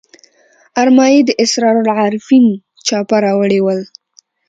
ارمایي د اسرار العارفین چاپه راوړي ول.